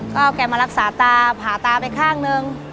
ก็เอาแกมารักษาตาผ่าตาไปข้างนึง